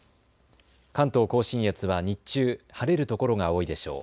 関東甲信越は日中晴れる所が多いでしょう。